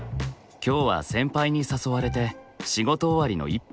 今日は先輩に誘われて仕事終わりの一杯。